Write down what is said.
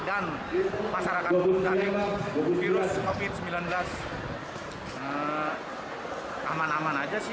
dan masyarakat memutari virus covid sembilan belas aman aman aja sih